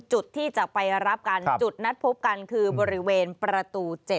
จุดที่จะไปรับกันจุดนัดพบกันคือบริเวณประตู๗